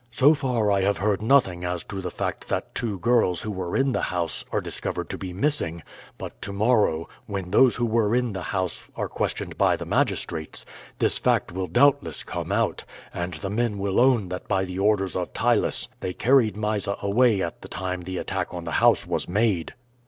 So far I have heard nothing as to the fact that two girls who were in the house are discovered to be missing, but to morrow, when those who were in the house are questioned by the magistrates, this fact will doubtless come out, and the men will own that by the orders of Ptylus they carried Mysa away at the time the attack on the house was made.